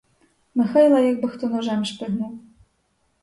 Михайла як би хто ножем шпигнув.